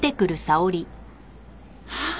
あっ！